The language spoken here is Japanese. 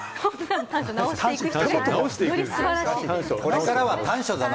ここからは短所だな。